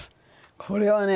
これはね